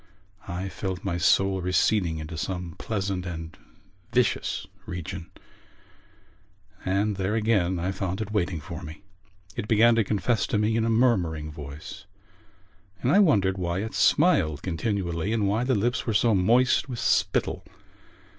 I felt my soul receding into some pleasant and vicious region; and there again I found it waiting for me. It began to confess to me in a murmuring voice and I wondered why it smiled continually and why the lips were so moist with spittle.